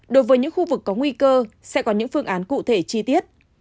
đối với những khu vực có nguy cơ sẽ có những phương án cụ thể chi tiết